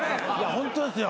ホントですよ。